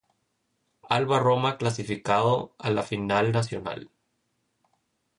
Alba Roma clasificado a la Final Nacional.